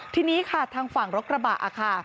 ทีนี้ค่ะทางฝั่งรถกระบะค่ะ